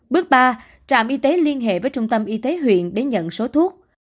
bước ba trạm y tế liên hệ với trung tâm y tế huyện để nhận số thuốc